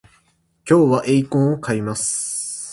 今日はエイコンを買います